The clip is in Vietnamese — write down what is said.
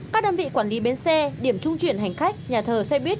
các đơn vị quản lý bến xe điểm trung chuyển hành khách nhà thờ xe buýt